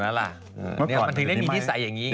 มันถึงนี้มีศิษย์ใจอย่างนี้ยัง